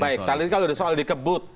baik kalau soal dikebut